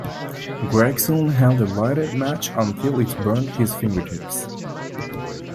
Gregson held a lighted match until it burnt his fingertips.